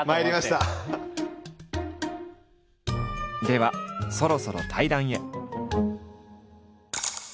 ではそろそろ対談へ。